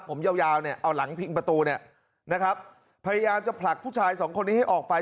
ผมยาวยาวเนี่ยเอาหลังพิงประตูเนี่ยนะครับพยายามจะผลักผู้ชายสองคนนี้ให้ออกไป